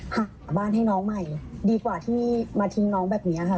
หาบ้านให้น้องใหม่ดีกว่าที่มาทิ้งน้องแบบนี้ค่ะ